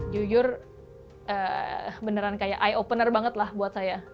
jujur beneran kayak ey opener banget lah buat saya